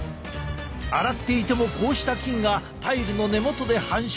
洗っていてもこうした菌がパイルの根元で繁殖。